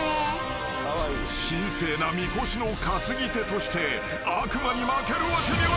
［神聖なみこしの担ぎ手として悪魔に負けるわけにはいかない］